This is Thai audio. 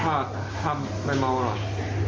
ภาพทำไม่เมาหรอก